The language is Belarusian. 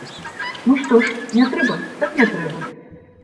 Ну што ж, не трэба так не трэба.